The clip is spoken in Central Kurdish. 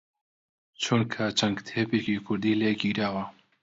چونکە چەند کتێبێکی کوردی لێ گیراوە